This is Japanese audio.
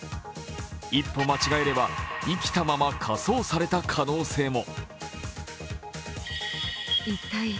一歩間違えれば、生きたまま火葬された可能性も。